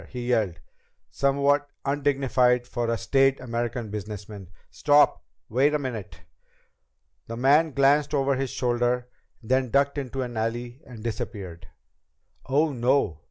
he yelled, somewhat undignified for a staid American businessman. "Stop! Wait a minute!" The man glanced once over his shoulder, then ducked into an alley and disappeared. "Oh, no!"